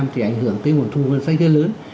thì ảnh hưởng tới nguồn thu ngân sách rất lớn